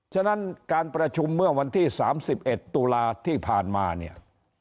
ฉะนั้นการประชุมเมื่อวันที่๓๑ตุลาที่ผ่านมาเนี่ย